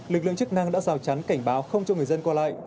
lực lượng chức năng đã rào chắn cảnh báo không cho người dân qua lại